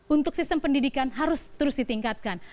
untuk sistem pendidikan harus terus ditingkatkan